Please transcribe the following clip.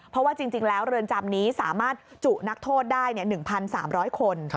เพราะว่าจริงแล้วเรือนจำนี้สามารถจุนักโทษได้๑๓๐๐คน